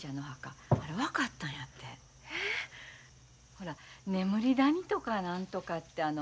ほら眠り谷とか何とかってあの。